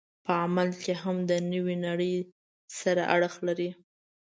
په عمل کې هم د نوې نړۍ سره اړخ لري.